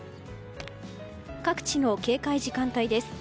各地の警戒時間帯です。